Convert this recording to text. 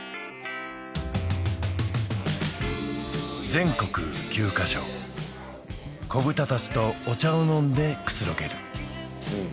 全国９カ所子ブタたちとお茶を飲んでくつろげるうん